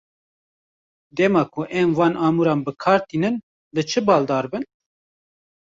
Dema ku em van amûran bi kar tînin, li çi baldar bin?